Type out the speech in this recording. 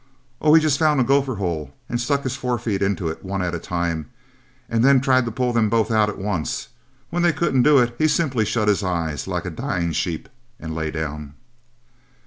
"Oh, he just found a gopher hole and stuck his forefeet into it one at a time, and then tried to pull them both out at once, and when he couldn't do it, he simply shut his eyes like a dying sheep and lay down."